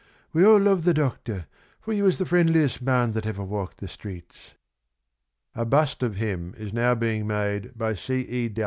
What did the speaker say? We all loved the Doctor, for he was the friendliest man that ever walked the streets." A bust of him is now being made by C. E.